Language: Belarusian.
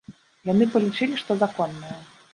Яны палічылі, што законнае.